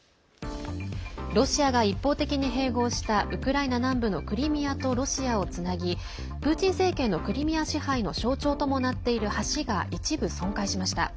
ロシアが一方的に併合したウクライナ南部のクリミアとロシアをつなぎプーチン政権のクリミア支配の象徴ともなっている橋が一部損壊しました。